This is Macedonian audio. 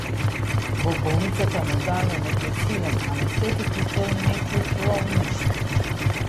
Во болницата му дале некој силен анестетик и тој не чувствувал ништо.